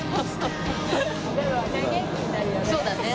そうだね。